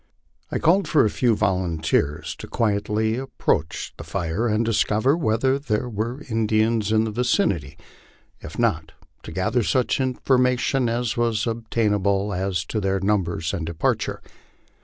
I called for a few volunteers to quietly approach the tire and discover whether there were Indians in the vicinity; if not, to gather such information as was obtainable, as to their numbers and departure.